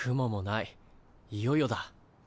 いよいよだ。